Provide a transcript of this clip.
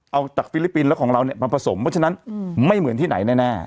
เอาจากฟิลิปปินส์แล้วของเราเนี่ยมาผสมเพราะฉะนั้นไม่เหมือนที่ไหนแน่